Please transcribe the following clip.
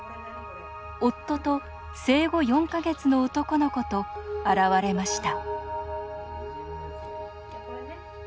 夫と生後４か月の男の子と現れました